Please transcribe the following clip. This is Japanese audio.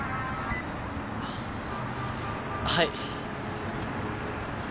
はい。